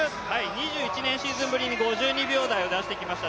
２１年シーズンぶりに５２秒台を出してきました。